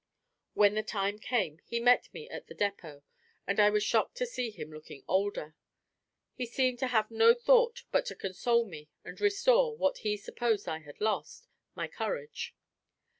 When the time came, he met me at the depot, and I was shocked to see him looking older. He seemed to have no thought but to console me and restore (what he supposed I had lost) my courage.